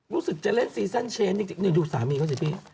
รู้สึกจะเล่นซีซั่นเชนจริงนี่ดูสามีเขาสิพี่